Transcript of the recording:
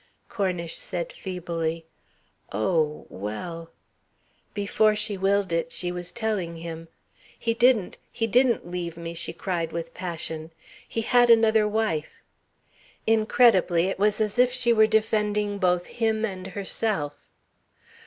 Cornish said feebly: "Oh, well...." Before she willed it, she was telling him: "He didn't. He didn't leave me," she cried with passion. "He had another wife." Incredibly it was as if she were defending both him and herself.